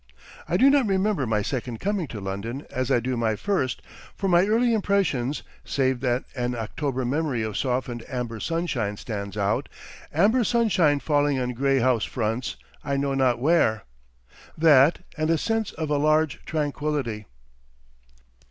I do not remember my second coming to London as I do my first, for my early impressions, save that an October memory of softened amber sunshine stands out, amber sunshine falling on grey house fronts I know not where. That, and a sense of a large tranquillity.